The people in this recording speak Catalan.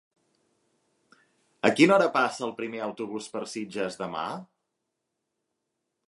A quina hora passa el primer autobús per Sitges demà?